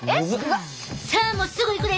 さあもうすぐいくで！